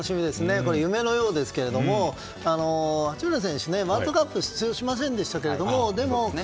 夢のようですけれども八村選手、ワールドカップは出場しませんでしたけども